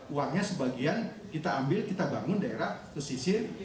uangnya sebagian kita ambil kita bangun daerah pesisir